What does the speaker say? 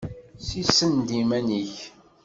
Sissen-d iman-ik!